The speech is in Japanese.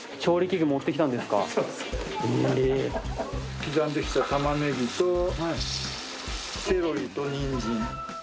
刻んできた玉ねぎとセロリとにんじん。